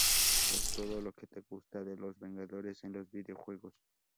Es todo lo que te gusta de los Vengadores en los videojuegos.